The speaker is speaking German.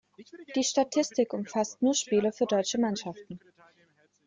Die Statistik umfasst nur Spiele für deutsche Mannschaften.